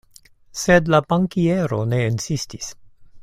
Sed la bankiero ne insistis.